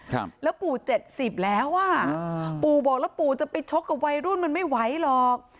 ครับแล้วปู่เจ็ดสิบแล้วอ่ะอ่าปู่บอกแล้วปู่จะไปชกกับวัยรุ่นมันไม่ไหวหรอก